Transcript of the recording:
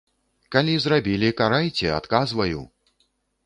Калі зрабілі, карайце, адказваю.